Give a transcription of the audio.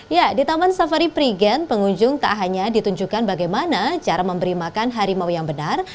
ya di taman safari prigen pengunjung tak hanya ditunjukkan bagaimana cara memberi makan harimau yang benar